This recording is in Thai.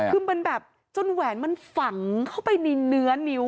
คือมันแบบจนแหวนมันฝังเข้าไปในเนื้อนิ้ว